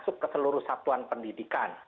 masuk ke seluruh satuan pendidikan